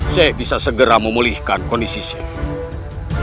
saya bisa segera memulihkan kondisi saya